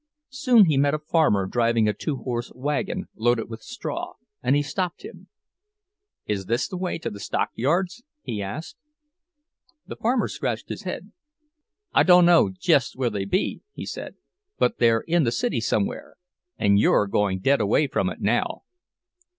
Soon he met a farmer driving a two horse wagon loaded with straw, and he stopped him. "Is this the way to the stockyards?" he asked. The farmer scratched his head. "I dunno jest where they be," he said. "But they're in the city somewhere, and you're going dead away from it now."